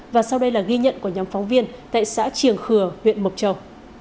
và sau đây là ghi nhận của nhóm phóng viên tại xã triềng khừa huyện mộc châu